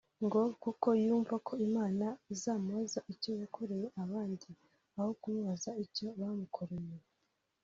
ngo kuko yumva ko Imana izamubaza icyo yakoreye abandi aho kumubaza icyo bamukoreye